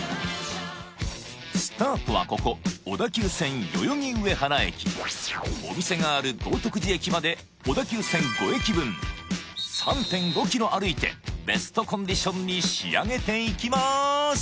スタートはここ小田急線代々木上原駅お店がある豪徳寺駅まで小田急線５駅分３．５キロ歩いてベストコンディションに仕上げていきます！